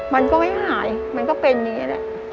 มันก็ไม่หายมันก็เป็นอย่างนี้แหละ